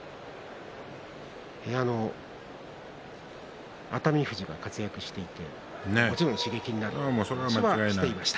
部屋の熱海富士が活躍していてもちろん刺激になっているということは言っていました。